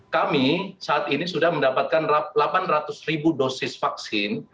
kami saat ini sudah mendapatkan delapan ratus ribu dosis vaksin